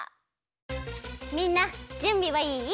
みんなじゅんびはいい？